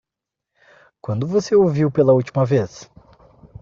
Quando você o viu pela última vez?